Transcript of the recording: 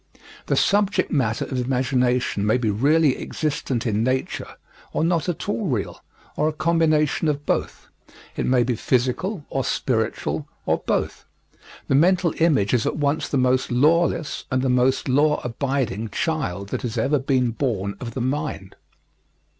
The subject matter of imagination may be really existent in nature, or not at all real, or a combination of both; it may be physical or spiritual, or both the mental image is at once the most lawless and the most law abiding child that has ever been born of the mind.